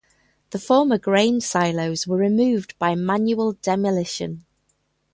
The former grain silos were removed by manual demolition.